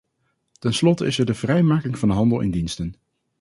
Ten slotte is er de vrijmaking van de handel in diensten.